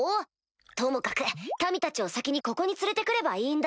ともかく民たちを先にここに連れて来ればいいんだ。